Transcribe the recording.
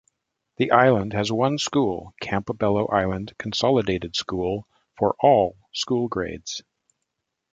The island has one school, Campobello Island Consolidated School, for all school grades.